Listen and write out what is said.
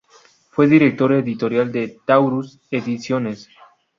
Fue Director Editorial de Taurus Ediciones.